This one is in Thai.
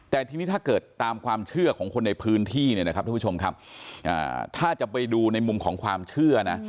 แต่ทีนี้ถ้าเกิดตามความเชื่อของคนในพื้นที่ถ้าจะไปดูในมุมของความเชื่อ